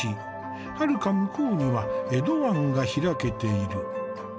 はるか向こうには江戸湾が開けている。